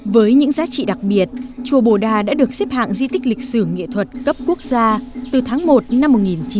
với những giá trị đặc biệt chùa bồ đa đã được xếp hạng di tích lịch sử nghệ thuật cấp quốc gia từ tháng một năm một nghìn chín trăm bảy mươi